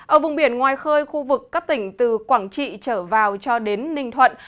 ở vùng biển ngoài khơi khu vực các tỉnh từ quảng trị trở vào cho đến ninh thuận